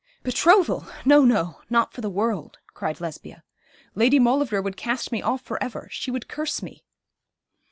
'Betrothal no, no; not for the world,' cried Lesbia. 'Lady Maulevrier would cast me off for ever; she would curse me.'